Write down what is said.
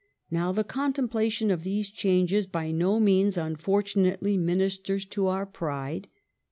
Now the contemplation of these changes by no means un fortunately ministers to our pride.